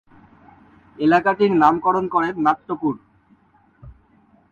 এলাকাটির নামকরণ করেন নাট্যপুর।